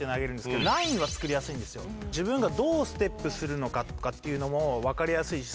自分がどうステップするのかとかっていうのも分かりやすいし。